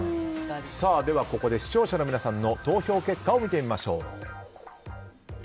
ここで、視聴者の皆さんの投票結果を見てみましょう。